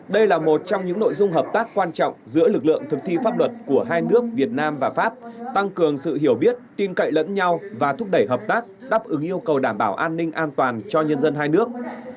đây là một trong những nội dung hợp tác quan trọng giữa lực lượng thực thi pháp luật của hai nước việt nam và pháp tăng cường sự hiểu biết tin cậy lẫn nhau và thúc đẩy hợp tác đáp ứng yêu cầu đảm bảo an ninh an toàn cho nhân dân hai nước